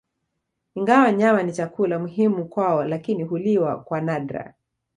Ingawa nyama ni chakula muhimu kwao lakini huliwa kwa nadra